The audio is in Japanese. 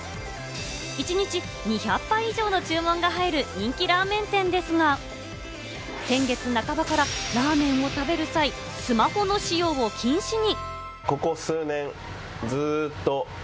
一日２００杯以上の注文が入る人気ラーメン店ですが、先月半ばからラーメンを食べる際、スマホの使用を禁止に。